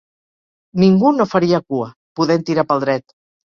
Ningú no faria cua, podent tirar pel dret.